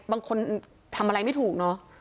บางคนทำอะไรไม่ถูก